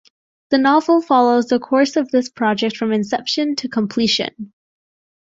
The novel follows the course of this project from inception to completion.